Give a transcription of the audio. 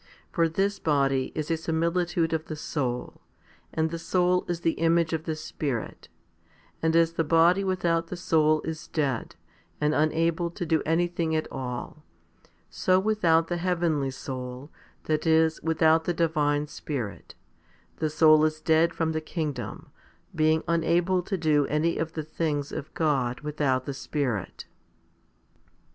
For this body is a similitude of the soul, and the soul is the image of the Spirit ; and as the body without the soul is dead, and unable to do anything at all, so without the heavenly soul, that is, without the Divine Spirit, the soul is dead from the kingdom, being unable to do any of the things of God without the Spirit.